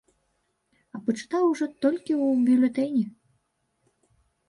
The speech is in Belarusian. А пачытаў ужо толькі ў бюлетэні.